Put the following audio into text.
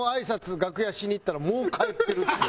楽屋しに行ったらもう帰ってるっていう。